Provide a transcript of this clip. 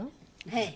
はい。